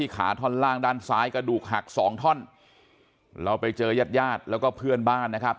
ขาท่อนล่างด้านซ้ายกระดูกหักสองท่อนเราไปเจอยาดแล้วก็เพื่อนบ้านนะครับ